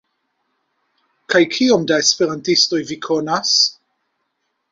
Kaj kiom da esperantistoj vi konas?